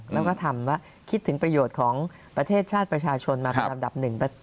แล้วก็ทำว่าคิดถึงประโยชน์ของประเทศชาติประชาชนมาเป็นลำดับหนึ่ง